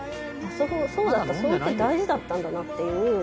そうだったそれって大事だったんだなっていう。